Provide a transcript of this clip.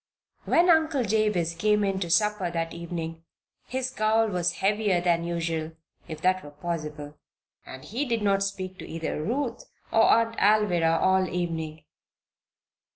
When Uncle Jabez came in to supper that evening his scowl was heavier than usual, if that were possible, and he did not speak to either Ruth or Aunt Alvirah all the evening.